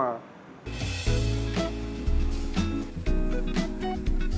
dan antara rasa dikaleng itu tetap sama